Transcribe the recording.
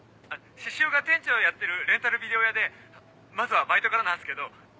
獅子王が店長やってるレンタルビデオ屋でまずはバイトからなんすけど。